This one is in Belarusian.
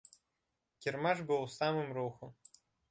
Кірмаш быў у самым руху.